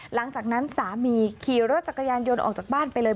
หลังจากนั้นสามีขี่รถจักรยานยนต์ออกจากบ้านไปเลย